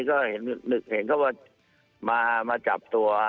ก็เห็นเขามาจับตัว